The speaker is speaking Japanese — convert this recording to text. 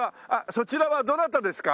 そちらはどなたですか？